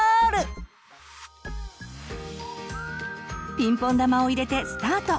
ピンポン球を入れてスタート！